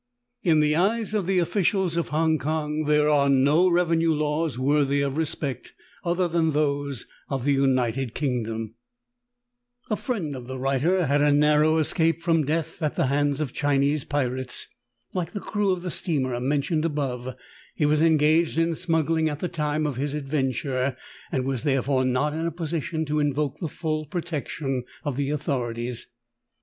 In the eyes of the officials of Hong Kong there are no revenue laws worthy of respect, other than those of the United Kingdom. 6 82 THE TALKING HANDKERCHIEF. A friend of the writer had a narrow escape from death at the hands of Chinese pirates. Like the crew of the steamer mentioned above, he was engaged in smuggling at the time of his adven ture, and was therefore not in a position to invoke the full protection of the authorities.